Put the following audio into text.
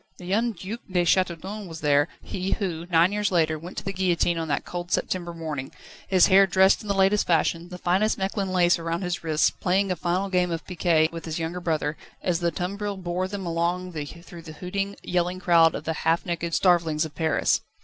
The young Duc de Châteaudun was there, he who, nine years later, went to the guillotine on that cold September morning, his hair dressed in the latest fashion, the finest Mechlin lace around his wrists, playing a final game of piquet with his younger brother, as the tumbril bore them along through the hooting, yelling crowd of the half naked starvelings of Paris.